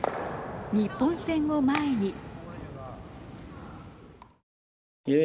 日本戦を前に。